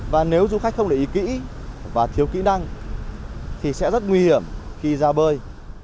và nếu du khách không để ý kỹ và thiếu kỹ năng thì sẽ rất nguy hiểm khi ra bơi